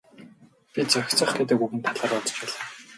Би зохицох гэдэг үгийн талаар бодож байлаа.